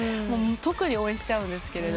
特に応援しちゃうんです。